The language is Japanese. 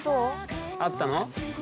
あったの？